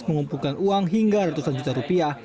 mengumpulkan uang hingga ratusan juta rupiah